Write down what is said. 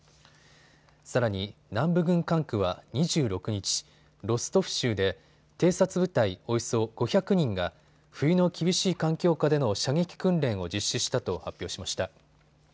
さらに南部軍管区は２６日、ロストフ州で偵察部隊およそ５００人が冬の厳しい環境下での射撃訓練を実施したと発表しました。